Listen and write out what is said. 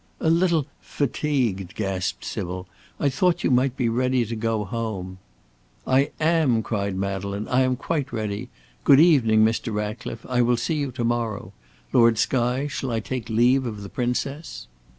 "A little fatigued," gasped Sybil; "I thought you might be ready to go home." "I am," cried Madeleine; "I am quite ready. Good evening, Mr. Ratcliffe. I will see you to morrow. Lord Skye, shall I take leave of the Princess?"